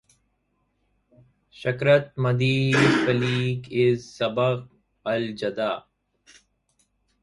شكرت مديحي فيك إذ سبق الجدا